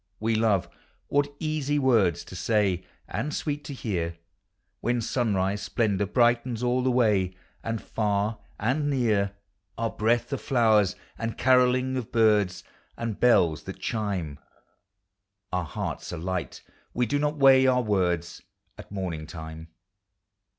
we love! What easy words to say, And sweet to hear, When sunrise splendor brightens all the way, And, far and near, Digitized by Google FRIENDSHIP. 3G9 Are breath of flowers and carolling of birds, And bells that chime; Our hearts are light : we do not weigh our words At morning time!